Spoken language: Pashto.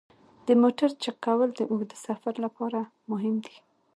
د موټر چک کول د اوږده سفر لپاره مهم دي.